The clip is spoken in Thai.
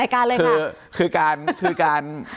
เอาโทรจบรายการเลยค่ะ